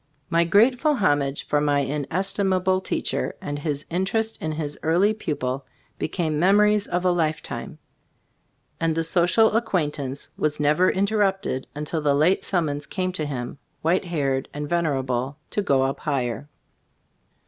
My grateful homage for my inestimable teacher and his interest in his early pupil, became memories of a lifetime, and the social acquaintance was never interrupted until the late summons came to him, white haired and venerable, to go up higher.